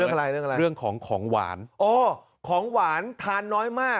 อะไรเรื่องอะไรเรื่องของของหวานอ๋อของหวานทานน้อยมาก